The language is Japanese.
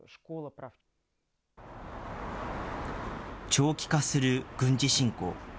長期化する軍事侵攻。